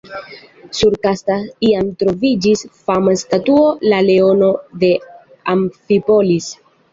Sur Kasta iam troviĝis fama statuo “La leono de Amfipolis”.